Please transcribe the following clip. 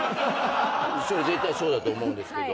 絶対そうだと思うんですけど。